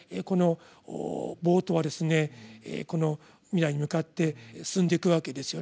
このボートは未来に向かって進んでいくわけですよね。